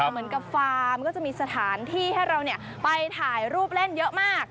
เหมือนกับฟาร์มก็จะมีสถานที่ให้เราไปถ่ายรูปเล่นเยอะมาก